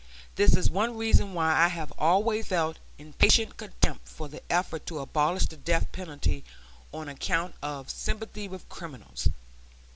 This is one reason why I have always felt impatient contempt for the effort to abolish the death penalty on account of sympathy with criminals.